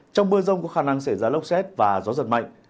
trong mưa rông có khả năng xảy ra lốc xét và gió giật mạnh